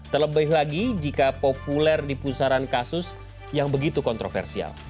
terlebih lagi jika populer di pusaran kasus yang begitu kontroversial